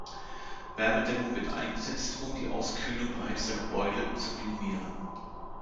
Wärmedämmung wird eingesetzt, um die Auskühlung beheizter Gebäude zu minimieren.